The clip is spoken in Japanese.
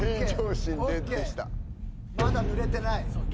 まだぬれてない。